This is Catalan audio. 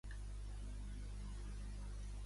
L'Ada Parellada en té un parell.